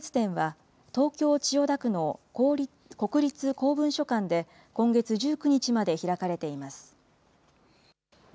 この特別展は、東京・千代田区の国立公文書館で今月１９日まで開かれています。